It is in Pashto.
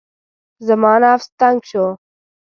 زما نفس تنګ شو.